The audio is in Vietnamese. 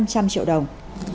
năm trăm linh triệu đồng